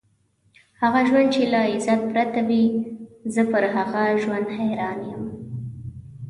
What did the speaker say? هغه ژوند چې له عزت پرته وي، زه پر هغه ژوند حیران یم.